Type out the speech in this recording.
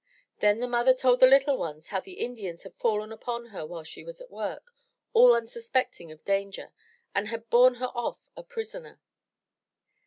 Then the mother told the little ones how the Indians had fallen upon her while she was at work, all unsuspecting of danger, and had borne her off a prisoner.